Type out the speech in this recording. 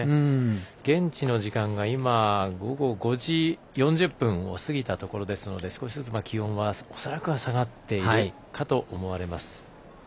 現地の時間が今午後５時４０分を過ぎたところですので、少しずつ気温は恐らく下がっていると思われます。